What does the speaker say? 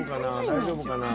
大丈夫かな？